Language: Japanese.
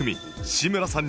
志村さん！